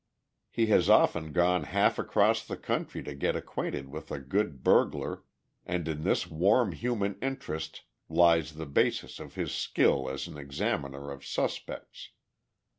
He has often gone half across the country to get acquainted with a good burglar, and in this warm human interest lies the basis of his skill as an examiner of suspects.